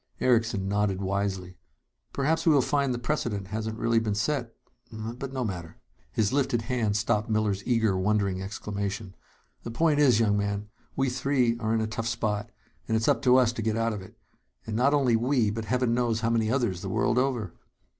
Erickson nodded wisely. "Perhaps we will find the precedent hasn't really been set! But no matter " His lifted hand stopped Miller's eager, wondering exclamation. "The point is, young man, we three are in a tough spot, and it's up to us to get out of it. And not only we, but heaven knows how many others the world over!"